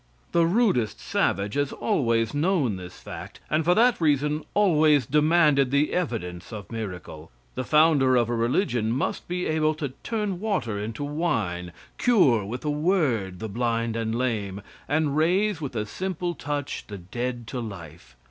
The rudest savage has always known this fact, and for that reason always demanded the evidence of miracle. The founder of a religion must be able to turn water into wine cure with a word the blind and lame, and raise with a simple touch the dead to life.